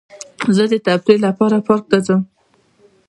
زه د تفریح لپاره پارک ته ځم.